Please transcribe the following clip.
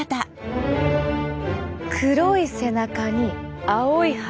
黒い背中に青い腹。